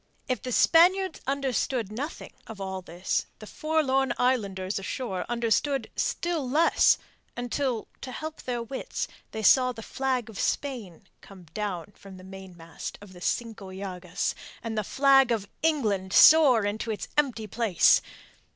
If the Spaniards understood nothing of all this, the forlorn islanders ashore understood still less, until to help their wits they saw the flag of Spain come down from the mainmast of the Cinco Llagas, and the flag of England soar to its empty place.